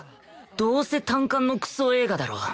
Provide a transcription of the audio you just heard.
どうせ単館のクソ映画だろ